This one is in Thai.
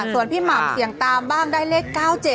ส่วนพี่หม่ำเสี่ยงตามบ้างได้เลข๙๗